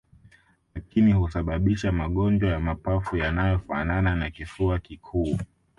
lakini husababisha magonjwa ya mapafu yanayofanana na kifua kikuu